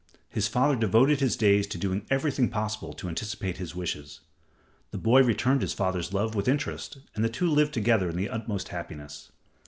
His father devoted his days to doing everything possible to anticipate his wishes. The boy returned his father's love with interest, and the two lived together in the utmost happiness.